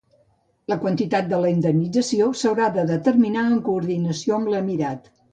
La quantitat de la indemnització s’haurà de determinar amb coordinació amb l’emirat.